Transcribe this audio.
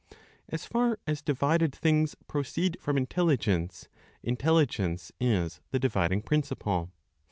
As far as divided things proceed from intelligence, intelligence is the dividing principle.